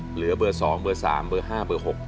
เหลือเบอร์๒เบอร์๓เบอร์๕เบอร์๖